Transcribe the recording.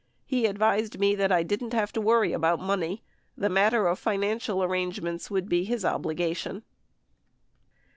he advised me that I didn't have to worry about money ... the matter of financial arrangements would be his obligation."